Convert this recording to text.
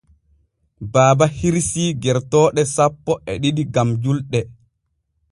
Baaba hirsii gertooɗo sappo e ɗiɗi gam julɗe.